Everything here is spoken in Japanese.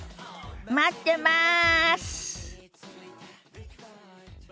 待ってます！